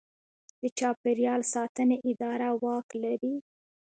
د چاپیریال ساتنې اداره واک لري؟